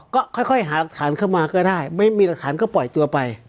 ก็ค่อยหารักฐานเข้ามาก็ได้ไม่มีหลักฐานก็ปล่อยตัวไป